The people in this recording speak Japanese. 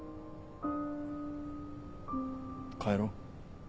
帰ろう？